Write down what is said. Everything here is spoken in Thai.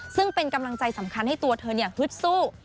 ซึ่งเป็นกำลังใจสำคัญให้ตัวเธอฮึดสู้